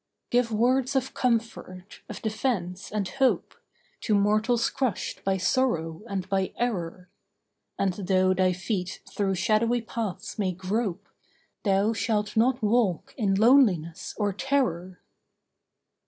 Give words of comfort, of defence, and hope, To mortals crushed by sorrow and by error. And though thy feet through shadowy paths may grope, Thou shalt not walk in loneliness or terror.